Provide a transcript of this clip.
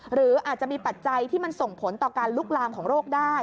หรืออาจจะมีปัจจัยที่มันส่งผลต่อการลุกลามของโรคได้